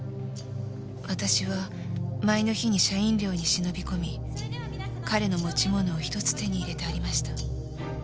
私は前の日に社員寮に忍び込み彼の持ち物を１つ手に入れてありました。